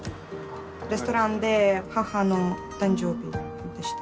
レストランで母の誕生日でした。